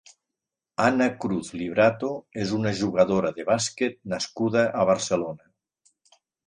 Anna Cruz i Lebrato és una jugadora de bàsquet nascuda a Barcelona.